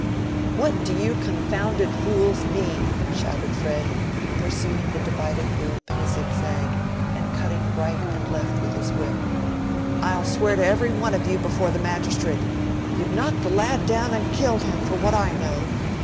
"What do you confounded fools mean?" shouted Fred, pursuing the divided group in a zigzag, and cutting right and left with his whip. "I'll swear to every one of you before the magistrate. You've knocked the lad down and killed him, for what I know.